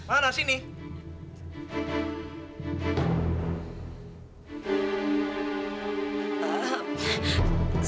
sebenarnya nggak ada apa apa ma